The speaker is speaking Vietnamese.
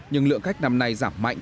nhưng lượng khách năm nay giảm mạnh